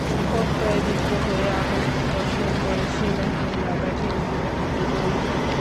প্রত্যয়দীপ্ত হয়ে আগুন স্পর্শ করে সীমাহীন বাধা ঠেলে জীবনযুদ্ধে জয়ী হও।